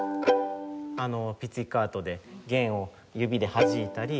ピッツィカートで弦を指ではじいたり